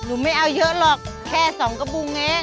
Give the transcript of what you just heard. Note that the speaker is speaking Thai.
ไม่เอาเยอะหรอกแค่๒กระบุงเอง